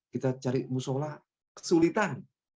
kita cari musola kesulitan